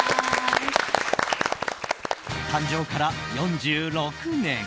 誕生から４６年。